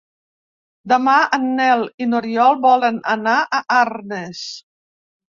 Demà en Nel i n'Oriol volen anar a Arnes.